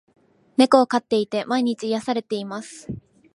猫を飼っていて、毎日癒されています。